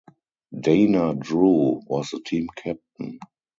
Dana Drew was the team captain.